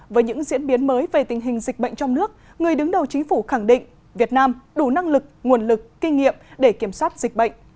với những diễn biến mới về tình hình dịch bệnh trong nước người đứng đầu chính phủ khẳng định việt nam đủ năng lực nguồn lực kinh nghiệm để kiểm soát dịch bệnh